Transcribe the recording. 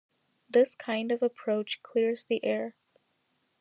This kind of approach clears the air.